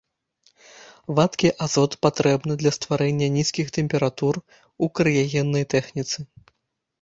Вадкі азот патрэбны для стварэння нізкіх тэмператур у крыягеннай тэхніцы.